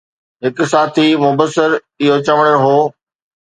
هڪ ساٿي مبصر اهو چوڻ هو